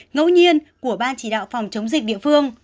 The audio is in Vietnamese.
ngẫu nhiên của ban chỉ đạo phòng chống dịch địa phương